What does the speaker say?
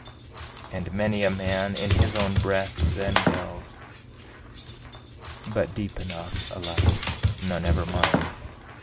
And many a man in his own breast then delves, But deep enough, alas! none ever mines.